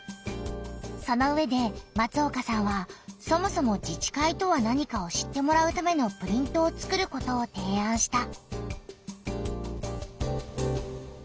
そのうえで松岡さんはそもそも自治会とは何かを知ってもらうためのプリントを作ることをていあんした。